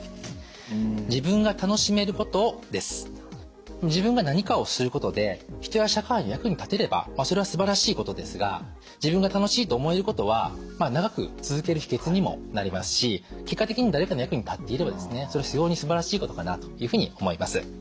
２つ目は自分が何かをすることで人や社会の役に立てればそれはすばらしいことですが自分が楽しいと思えることは長く続ける秘けつにもなりますし結果的に誰かの役に立っていればですね非常にすばらしいことかなというふうに思います。